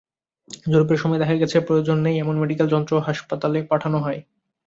জরিপের সময় দেখা গেছে, প্রয়োজন নেই এমন মেডিকেল যন্ত্র হাসপাতালে পাঠানো হয়।